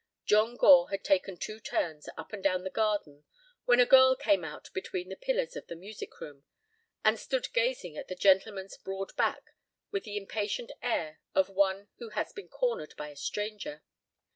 John Gore had taken two turns up and down the garden when a girl came out between the pillars of the music room, and stood gazing at the gentleman's broad back with the impatient air of one who has been cornered by a stranger.